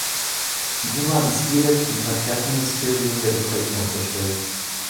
Die U-Bahn ist direkt dem Verkehrsministerium der Ukraine unterstellt.